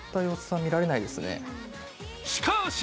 しかし！